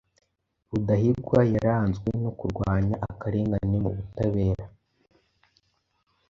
Rudahigwa yaranzwe no kurwanya akarengane mu butabera